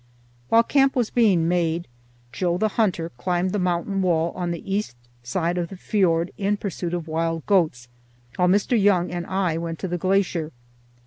While camp was being made, Joe the hunter climbed the mountain wall on the east side of the fiord in pursuit of wild goats, while Mr. Young and I went to the glacier.